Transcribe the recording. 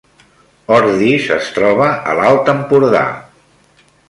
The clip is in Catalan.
Ordis es troba a l’Alt Empordà